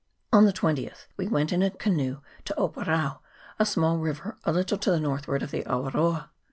On the 20th we went in a canoe to Oparau, a small river a little to the northward of the Awaroa.